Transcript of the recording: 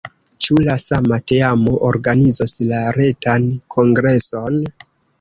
Ĉu la sama teamo organizos la retan kongreson?